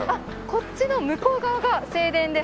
こっちの向こう側が正殿で。